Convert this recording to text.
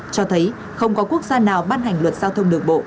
cho thấy không có quốc gia nào ban hành luật giao thông đường bộ